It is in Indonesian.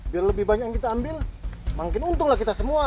biar lebih banyak yang kita ambil makin untung lah kita semua